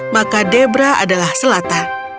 maka debra adalah selatan